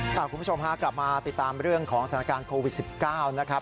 คุณผู้ชมฮะกลับมาติดตามเรื่องของสถานการณ์โควิด๑๙นะครับ